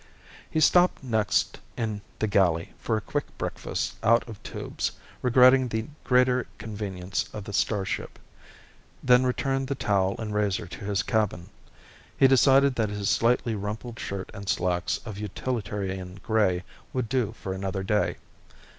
He stopped next in the galley for a quick breakfast out of tubes, regretting the greater convenience of the starship, then returned the towel and razor to his cabin. He decided that his slightly rumpled shirt and slacks of utilitarian gray would do for another day.